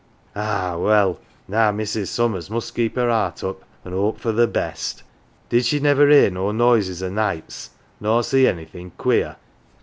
Ah ! well, now Mrs. Summers must keep her heart up, an' hope for the best. Did she never hear no noises o' nights nor see anythin' queer